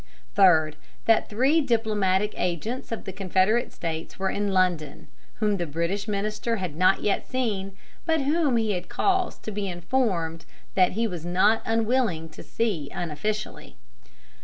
Third, that three diplomatic agents of the Confederate States were in London, whom the British minister had not yet seen, but whom he had caused to be informed that he was not unwilling to see unofficially.